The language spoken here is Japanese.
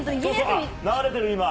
流れてる、今。